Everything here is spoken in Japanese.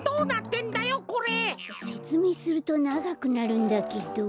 せつめいするとながくなるんだけど。